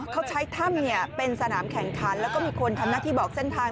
เขาใช้ถ้ำเป็นสนามแข่งขันแล้วก็มีคนทำหน้าที่บอกเส้นทาง